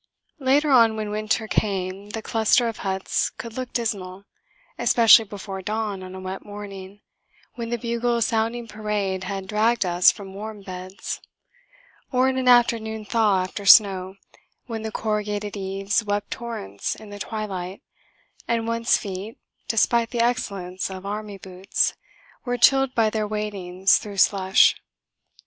Later on, when winter came, the cluster of huts could look dismal, especially before dawn on a wet morning, when the bugle sounding parade had dragged us from warm beds; or in an afternoon thaw after snow, when the corrugated eaves wept torrents in the twilight, and one's feet (despite the excellence of army boots) were chilled by their wadings through slush.